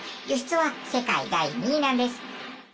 輸出は世界第２位なんです。